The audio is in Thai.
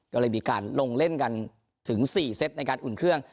ก็เลยมีการลงเล่นกันถึง๔เซตในการอุ่นเครื่อง